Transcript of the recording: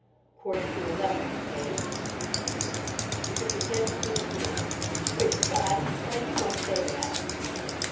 "Quarter to eleven," I told him. He took his head between his hands. "Good God!" he cried, "you don't say that!"